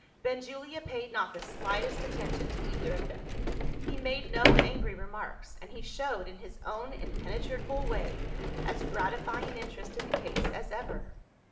Benjulia paid not the slightest attention to either of them. He made no angry remarks and he showed, in his own impenetrable way, as gratifying an interest in the case as ever.